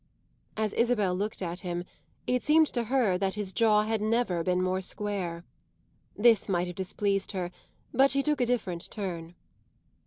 As Isabel looked at him it seemed to her that his jaw had never been more square. This might have displeased her, but she took a different turn.